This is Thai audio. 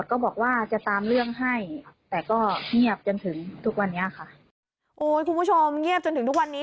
โอ๊ยคุณผู้ชมเงียบจนถึงทุกวันนี้